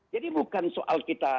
jadi bukan soal kita